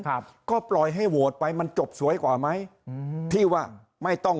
ครับก็ปล่อยให้โหวตไปมันจบสวยกว่าไหมอืมที่ว่าไม่ต้อง